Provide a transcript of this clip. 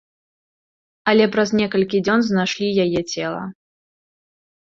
Але праз некалькі дзён знайшлі яе цела.